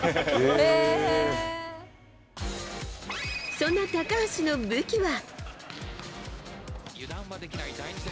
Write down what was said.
そんな高橋の武器は。